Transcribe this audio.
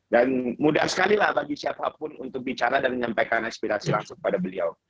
dan mudah sekali lah bagi siapapun untuk bicara dan menyampaikan aspirasi langsung pada beliau